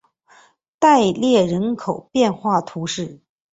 蒂勒人口变化图示